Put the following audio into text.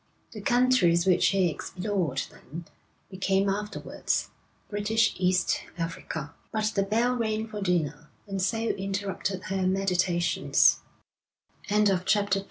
The countries which he explored then, became afterwards British East Africa. But the bell rang for dinner, and so interrupted her meditations. III They played b